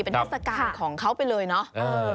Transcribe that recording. เป็นเทศกาลของเขาไปเลยเนาะ